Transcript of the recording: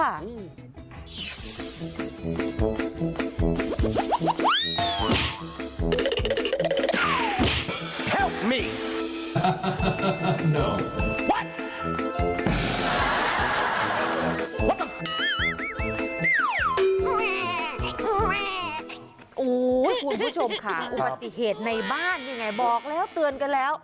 โอ้โหคุณผู้ชมค่ะอุบัติเหตุในบ้านยังไงบอกแล้วเตือนกันแล้ว